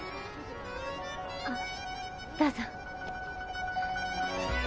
あどうぞ。